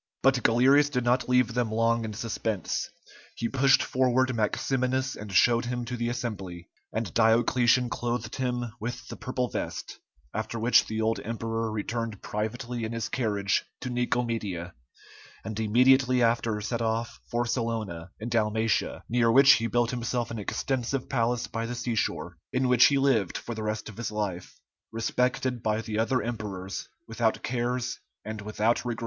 But Galerius did not leave them long in suspense; he pushed forward Maximinus and showed him to the assembly, and Diocletian clothed him with the purple vest, after which the old emperor returned privately in his carriage to Nicomedia, and immediately after set off for Salona in Dalmatia, near which he built himself an extensive palace by the sea shore, in which he lived for the rest of his life, respected by the other emperors, without cares and without regret.